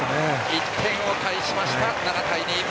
１点を返しました７対２。